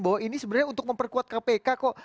bahwa ini sebenarnya untuk memperkuat kpk kok